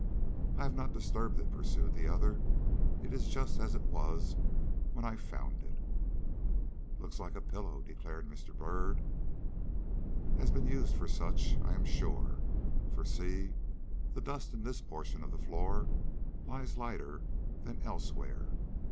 "I have not disturbed it," pursued the other. "It is just as it was when I found it." "Looks like a pillow," declared Mr. Byrd. "Has been used for such, I am sure; for see, the dust in this portion of the floor lies lighter than elsewhere.